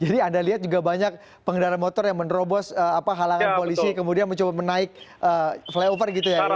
jadi anda lihat juga banyak pengendara motor yang menerobos halangan polisi kemudian mencoba menaik flyover gitu ya